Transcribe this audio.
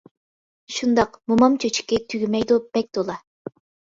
شۇنداق، مومام چۆچىكى، تۈگىمەيدۇ، بەك تولا.